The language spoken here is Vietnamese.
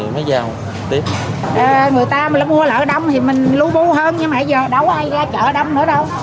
người ta mua lỡ đông thì mình lưu bưu hơn nhưng mà giờ đâu có ai ra chợ đông nữa đâu